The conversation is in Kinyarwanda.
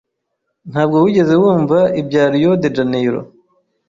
Ntabwo wigeze wumva ibya Rio de Janeiro?